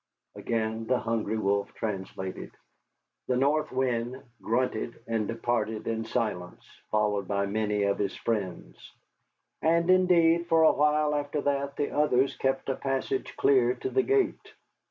Again the Hungry Wolf translated. The North Wind grunted and departed in silence, followed by many of his friends. And indeed for a while after that the others kept a passage clear to the gate.